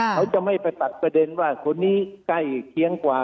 เขาจะไม่ไปตัดประเด็นว่าคนนี้ใกล้เคียงกว่า